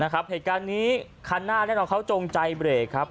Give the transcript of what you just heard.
เหตุการณ์นี้คันหน้าแน่นอนเขาจงใจเบรกครับ